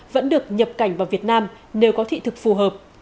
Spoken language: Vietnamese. vẫn được nhập cảnh vào việt nam nếu có thị thực phù hợp